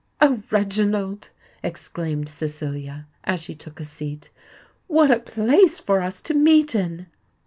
"Oh, Reginald!" exclaimed Cecilia, as she took a seat, "what a place for us to meet in!"